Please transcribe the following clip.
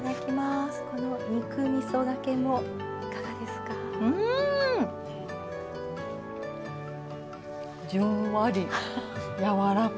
肉みそがけもいかがですか？